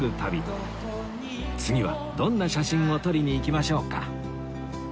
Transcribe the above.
次はどんな写真を撮りにいきましょうか？